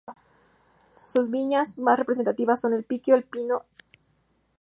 Sus viñas más representativas son El Puquio, El Pino, Rivadeneyra y Cruz Blanca.